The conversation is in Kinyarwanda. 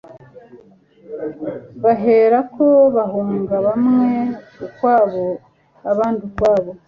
bahera ko bahunga bamwe ukwabo abandi ukwabo